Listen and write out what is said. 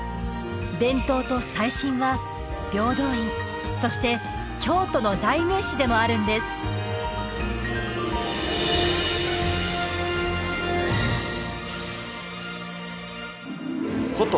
伝統と最新は平等院そして京都の代名詞でもあるんです古都